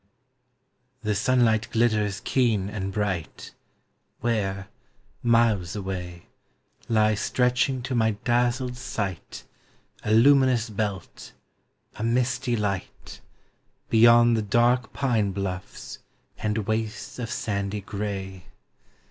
The sunlight glitters keen and bright, Where, miles away, Lies stretching to my dazzled sight A luminous belt, a misty light, Beyond the dark pine bluffs and wastes of sandy gray.